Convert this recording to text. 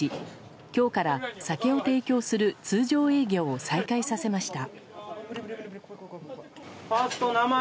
今日から酒を提供する通常営業を再開させました。